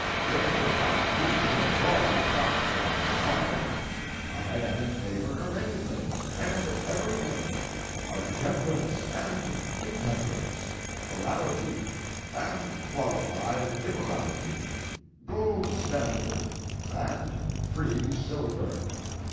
There could not be a broader platform than mine. I am in favor of anything and everything—of temperance and intemperance, morality and qualified immorality, gold standard and free silver.